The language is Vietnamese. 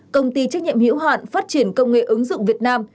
công ty trách nhiệm hiểu hạn phát triển công nghệ ứng dụng việt nam